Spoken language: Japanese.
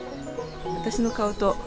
私の顔と。